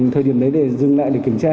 thời điểm đấy để dừng lại để kiểm tra